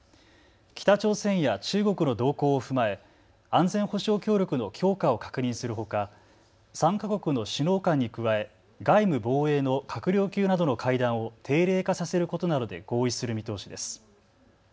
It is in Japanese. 北朝鮮や中国の動向を踏まえ安全保障協力の強化を確認するほか、３か国の首脳間に加え外務防衛の閣僚級などの会談を定例化させることなどで合意する見通しです。